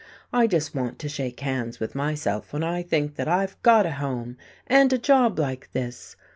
I just want to shake hands with myself when I think that I've got a home, and a job like this.